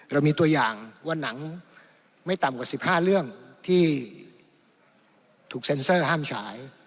เรามีตัวอย่างว่าหนังไม่ต่ำกว่า๑๕เรื่องที่ถูกเซ็นเซอร์ห้ามฉาย